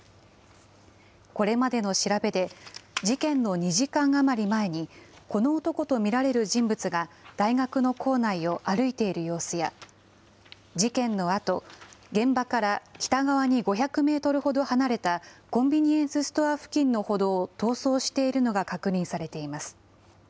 これまでの調べで、事件の２時間余り前に、この男と見られる人物が、大学の構内を歩いている様子や、事件のあと、現場から北側に５００メートルほど離れたコンビニエンスストア付近の歩道を逃走しているのが確認されています。